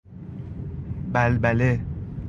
بلبله